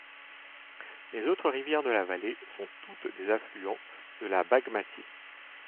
Les autres rivières de la vallée sont toutes des affluents de la Bagmati.